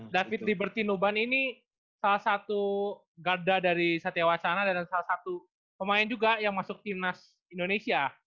david dibertinuban ini salah satu garda dari satya wacana dan salah satu pemain juga yang masuk timnas indonesia